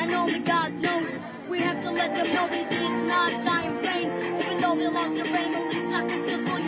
うん。